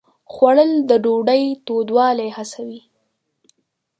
خوړل د ډوډۍ تودوالی حسوي